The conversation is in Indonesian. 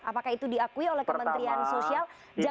apakah itu diakui oleh kementerian sosial